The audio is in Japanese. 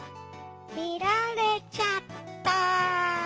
みられちゃった。